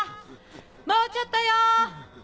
もうちょっとよ！